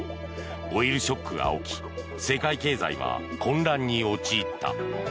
オイルショックが起き世界経済は混乱に陥った。